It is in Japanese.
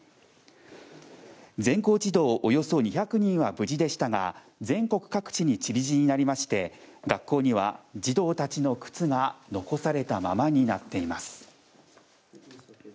全校児童およそ２００人は無事でしたが全国各地に散り散りになりまして学校には児童たちの靴が残されたままになっています。